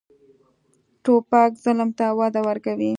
توپک ظلم ته وده ورکوي.